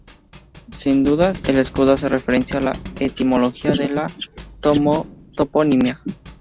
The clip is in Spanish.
Sin dudas, el escudo hace referencia a la etimología de la toponimia.